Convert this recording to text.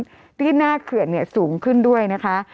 กรมป้องกันแล้วก็บรรเทาสาธารณภัยนะคะ